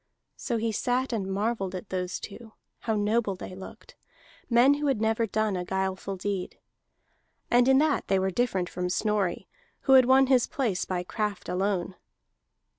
So he sat and marvelled at those two, how noble they looked, men who had never done a guileful deed; and in that they were different from Snorri, who had won his place by craft alone.